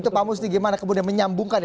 itu pak musni gimana kemudian menyambungkan ini